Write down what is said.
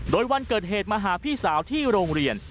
โดยวันเกิดเหตุมาหาพี่สาวที่โรงเรียน